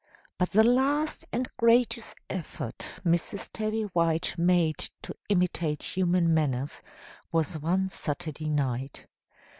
"But the last and greatest effort Mrs. Tabby White made to imitate human manners was one Saturday night.